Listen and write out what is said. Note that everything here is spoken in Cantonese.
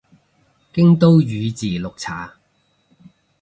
京都宇治綠茶